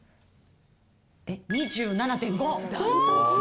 えっ、２７．５！